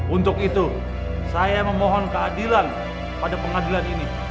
untuk itu saya memohon keadilan pada pengadilan ini